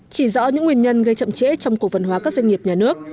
chỉ rõ những nguyên nhân gây chậm trễ trong cổ phần hóa các doanh nghiệp nhà nước